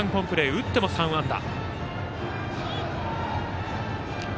打っても３安打。